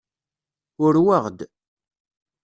Urweɣ-d.